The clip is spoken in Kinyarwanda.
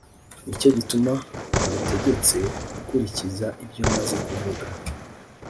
ni cyo gituma ngutegetse gukurikiza ibyo maze kuvuga.